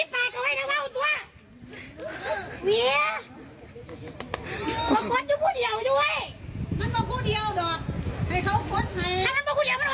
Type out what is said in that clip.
กรดอยู่ผู้เดียวด้วย